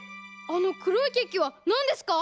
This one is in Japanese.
あのくろいケーキはなんですか？